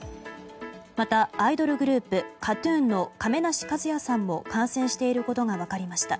また、アイドルグループＫＡＴ‐ＴＵＮの亀梨和也さんも感染していることが分かりました。